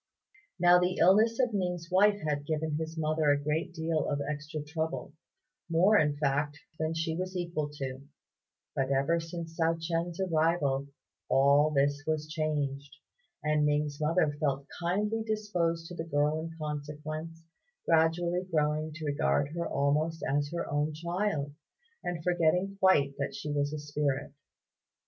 Now the illness of Ning's wife had given his mother a great deal of extra trouble more, in fact, than she was equal to; but ever since Hsiao ch'ien's arrival all this was changed, and Ning's mother felt kindly disposed to the girl in consequence, gradually growing to regard her almost as her own child, and forgetting quite that she was a spirit.